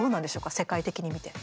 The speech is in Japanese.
世界的に見て。